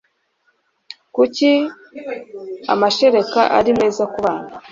kuki amashereka ari meza ku bana